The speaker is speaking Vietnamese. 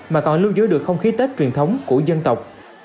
mà còn lưu giữ được không khí tết truyền thống của dân tộc